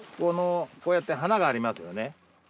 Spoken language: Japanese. こうやって花がありますよね。